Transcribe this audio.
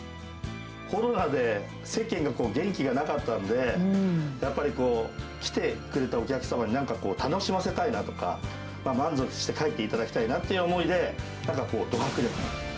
コロナで世間が元気がなかったんで、やっぱり来てくれたお客様になんかこう、楽しませたいなとか、満足して帰っていただきたいなっていう思いで、なんかこう、ド迫力な。